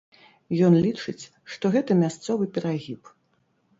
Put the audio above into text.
Ён лічыць, што гэта мясцовы перагіб.